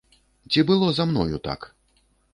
Ці было за мною так?